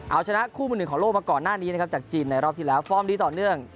เอาชนะคู่มือหนึ่งของโลกมาก่อนหน้านี้นะครับจากจีนในรอบที่แล้วฟอร์มดีต่อเนื่อง